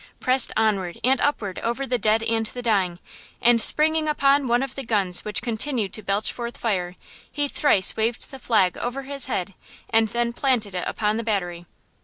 pressed onward and upward over the dead and the dying, and springing upon one of the guns which continued to belch forth fire, he thrice waved the flag over his head and then planted it upon the battery.